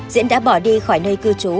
diễn đã bỏ đi khỏi nơi cư trú